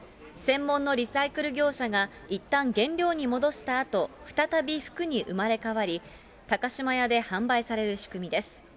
専門のリサイクル業者がいったん、原料に戻したあと、再び服に生まれ変わり、高島屋で販売される仕組みです。